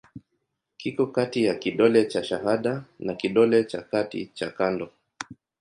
Kiko kati ya kidole cha shahada na kidole cha kati cha kando.